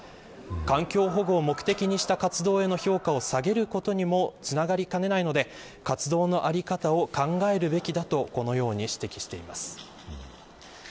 環境保護を目的にしたかつての評価を下げることにもつながりかねないので活動の在り方を考えるべきだと指摘しています。